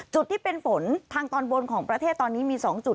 จุดที่เป็นฝนทางตอนบนของประเทศตอนนี้มี๒จุด